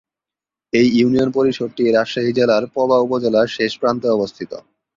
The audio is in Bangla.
এই ইউনিয়ন পরিষদটি রাজশাহী জেলার পবা উপজেলার শেষ প্রান্তে অবস্থিত।